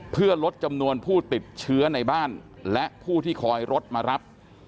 เพื่อลดจำนวนผู้ติดเชื้อในบ้านและผู้ที่คอยรถมารับ